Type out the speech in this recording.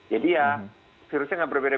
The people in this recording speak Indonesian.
jadi ya virusnya nggak berbeda beda